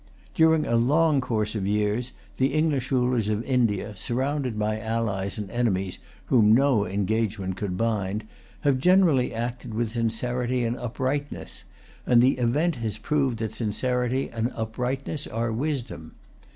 During a long course of years, the English rulers of India, surrounded by allies and enemies whom no engagement could bind, have generally acted with sincerity and uprightness; and the event has proved that sincerity and uprightness are wisdom.